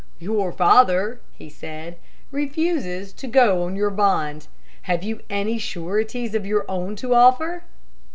"Your father," he said, "refuses to go on your bond. Have you any sureties of your own to offer?"